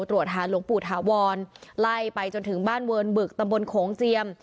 ตรวจหาหลวงปู่ถาวรไล่ไปจนถึงบ้านเวิร์นบึกตำบลโขงเจียม